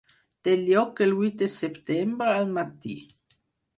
Té lloc el vuit de setembre al matí.